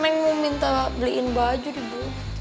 neng mau minta beliin baju di bu